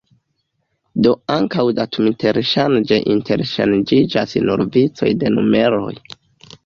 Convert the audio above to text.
Do ankaŭ datuminterŝanĝe interŝanĝiĝas nur vicoj de numeroj.